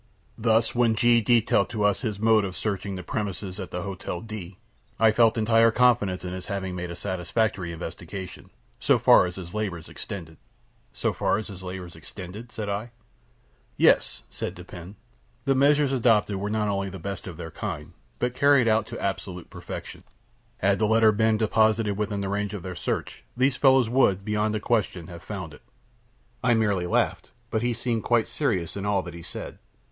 Thus, when G detailed to us his mode of searching the premises at the Hotel D , I felt entire confidence in his having made a satisfactory investigation so far as his labors extended." "So far as his labors extended?" said I. "Yes," said Dupin. "The measures adopted were not only the best of their kind, but carried out to absolute perfection. Had the letter been deposited within the range of their search, these fellows would, beyond a question, have found it." I merely laughed but he seemed quite serious in all that he said.